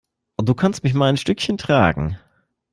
Du kannst mich mal ein Stückchen tragen.